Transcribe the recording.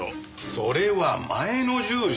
それは前の住所！